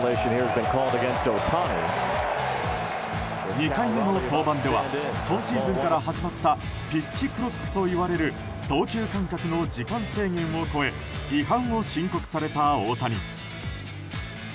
２回目の登板では今シーズンから始まったピッチクロックといわれる投球間隔の時間制限を超え違反を申告された大谷。